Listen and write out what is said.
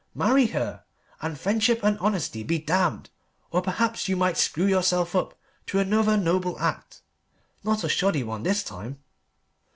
Marry her, and friendship and honesty be damned! Or perhaps you might screw yourself up to another noble act not a shoddy one this time."